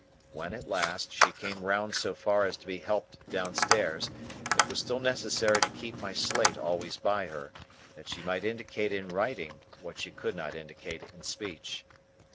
When, at last, she came round so far as to be helped downstairs, it was still necessary to keep my slate always by her, that she might indicate in writing what she could not indicate in speech.